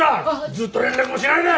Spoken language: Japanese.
ずっと連絡もしないで！